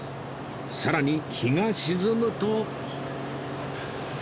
更に日が沈むと